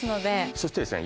そしてですね